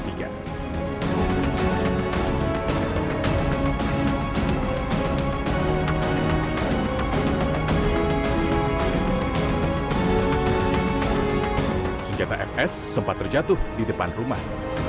senjata fs sempat terjatuh di depan rumah